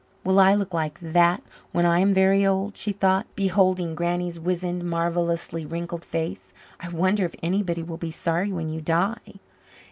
Will I look like that when I am very old? she thought, beholding Granny's wizened, marvellously wrinkled face. I wonder if anybody will be sorry when you die.